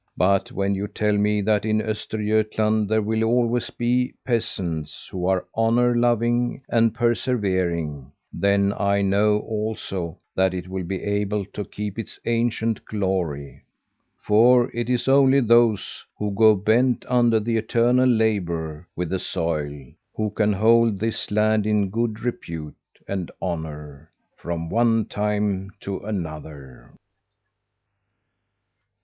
But when you tell me that in Östergötland there will always be peasants who are honour loving and persevering, then I know also that it will be able to keep its ancient glory. For it is only those who go bent under the eternal labour with the soil, who can hold this land in good repute and honour from one time to another.'"